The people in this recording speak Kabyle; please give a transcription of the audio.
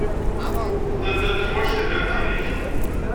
Taddart teḥwaj tallalt-nnek.